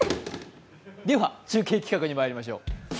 では中継企画にまいりましょう。